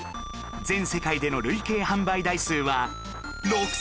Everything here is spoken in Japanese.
全世界での累計販売台数は６０００万台以上！